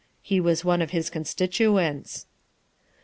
He was one of his constituents."